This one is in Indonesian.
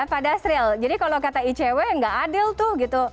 pak dasril jadi kalau kata icw nggak adil tuh gitu